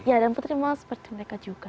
ya dan putri memang seperti mereka juga